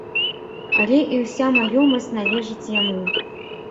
Але і ўся маёмасць належыць яму.